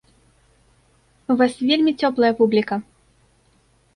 У вас вельмі цёплая публіка!